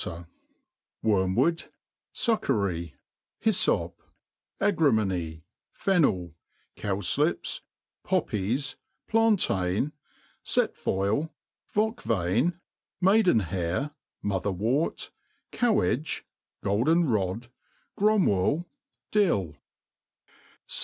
Seed^ Wormwood, Succory, Hyfop, Agrimony, Fennel, Cowflips, Poppies, Plantain, Setfoyl, ' Vocvain, Maidenhair, Motherwort, Cawagit, Golden rod, Gromwell, pill.